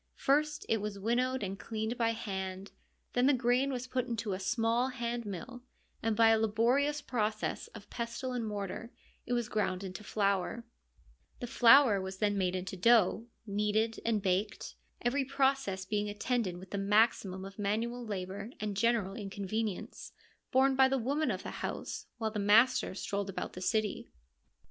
First it was winnowed, and cleaned by hand ; then the grain was put into a small hand mill, and by a laborious process of pestle and mortar it was ground into flour ; the flour was then made into dough, kneaded and baked ; every process being attended with the maximum of man ual labour and general inconvenience, borne by the women of the house, while the master strolled about the city.